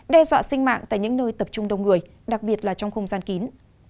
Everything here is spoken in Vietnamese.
đe dọa sinh mạng tại những nơi tập trung đông người đặc biệt là trong không gian kín